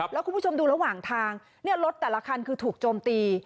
แล้วคุณผู้ชมดูระหว่างทางรถแต่ละคันคือถูกโจมตี